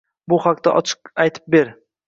bu haqda ochiq aytib ber.